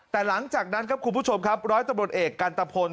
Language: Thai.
แต่หลังจากนั้นครับคุณผู้ชมครับร้อยตำรวจเอกกันตะพล